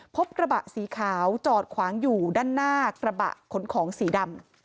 พบกระบะสีขาวจอดขวางอยู่ด้านหน้ากระบะขนของสีดำ